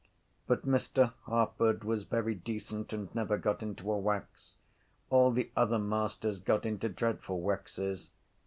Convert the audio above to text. But Mr Harford was very decent and never got into a wax. All the other masters got into dreadful waxes.